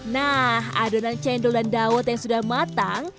nah adonan cendol dan dawet yang sudah matang